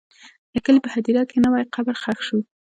د کلي په هدیره کې نوی قبر ښخ شو.